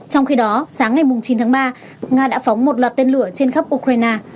trong khi đó sáng ngày chín tháng ba nga đã phóng một loạt tên lửa trên khắp ukraine